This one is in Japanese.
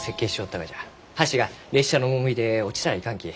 橋が列車の重みで落ちたらいかんき